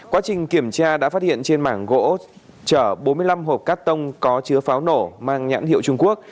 quá trình kiểm tra đã phát hiện trên mảng gỗ chở bốn mươi năm hộp cắt tông có chứa pháo nổ mang nhãn hiệu trung quốc